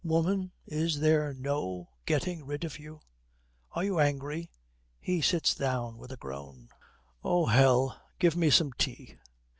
'Woman, is there no getting rid of you!' 'Are you angry?' He sits down with a groan. 'Oh, hell! Give me some tea.'